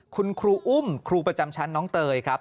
คุณครูอุ้มครูประจำชั้นน้องเตยครับ